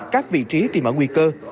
các vị trí tìm ở nguy cơ